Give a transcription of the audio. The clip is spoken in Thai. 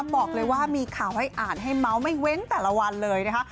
บอกเลยว่ามีข่าวให้อ่านให้เมาส์ไม่เว้นแต่ละวันเลยนะคะ